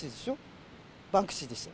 バンクシーでしょ！